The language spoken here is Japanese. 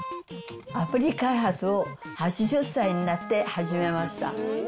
アプリ開発を８０歳になって始めました。